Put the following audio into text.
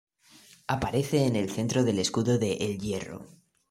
Aparece en el centro del escudo de El Hierro.